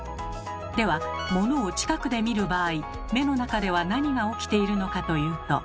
ではモノを近くで見る場合目の中では何が起きているのかというと。